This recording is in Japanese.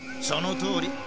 そのとおり。